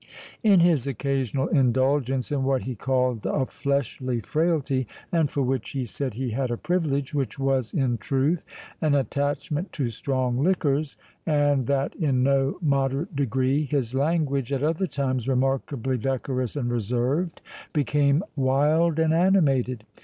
In his occasional indulgence in what he called a fleshly frailty, (and for which he said he had a privilege,) which was in truth an attachment to strong liquors, and that in no moderate degree, his language, at other times remarkably decorous and reserved, became wild and animated.